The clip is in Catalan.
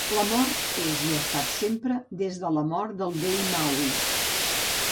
La mort és i ha estat sembre des de la mort del vell Maui.